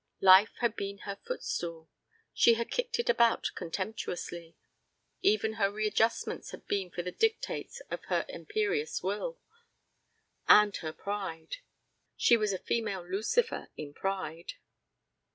Life had been her foot stool. She had kicked it about contemptuously. Even her readjustments had been the dictates of her imperious will. And her pride! She was a female Lucifer in pride.